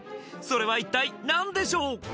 それは一体何でしょう？